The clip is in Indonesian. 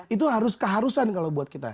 itu harus keharusan kalau buat kita